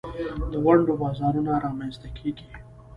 د ونډو بازارونه رامینځ ته کیږي.